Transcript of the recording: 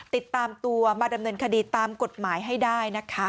ติดตามตัวมาดำเนินคดีตามกฎหมายให้ได้นะคะ